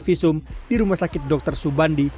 visum di rumah sakit dr subandi